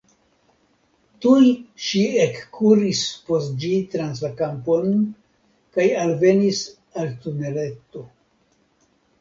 Tuj ŝi ekkuris post ĝi trans la kampon, kaj alvenis al tuneleto.